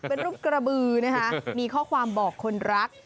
เป็นรูปกระบือนะคะมีข้อความบอกคนรัก